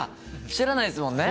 知らないっすもんね。